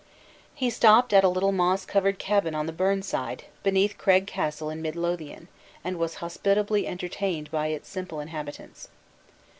He stopped at a little moss covered cabin on the burn side, beneath Craig Castle in Mid Lothian, and was hospitably entertained by its simple inhabitants.